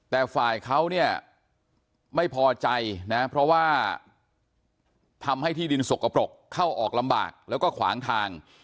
แต่ฝ่ายเขาเนี่ยไม่พอใจนะเพราะว่าทำให้ที่ดินสกปรกเข้าออกลำบากแล้วก็ขวางทาง